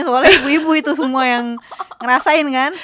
soalnya ibu ibu itu semua yang ngerasain kan